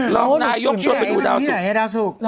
รองนายกชวนไปดูดาวสุก